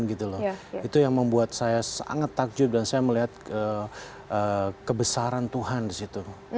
itu yang membuat saya sangat takjub dan saya melihat kebesaran tuhan di situ